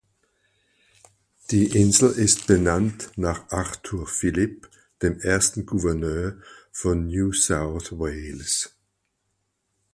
Die Insel ist benannt nach Arthur Phillip, dem ersten Gouverneur von New South Wales.